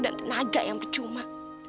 dan tenaga yang percuma